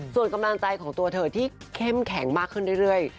ส่วนกำลังใจของตัวเธอที่เข้มแข็งมากขึ้นเรื่อย